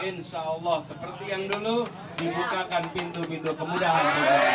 insya allah seperti yang dulu dibukakan pintu pintu kemudahan